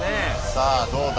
さあどうだ？